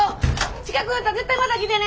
近く寄ったら絶対また来てね！